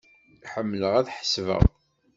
Ḥemmleɣ ad ḥesbeɣ.